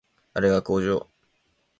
あれが工場